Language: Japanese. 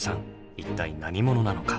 一体何者なのか？